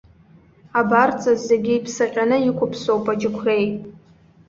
Абарҵа зегьы иԥсаҟьаны иқәыԥсоуп аџьықәреи.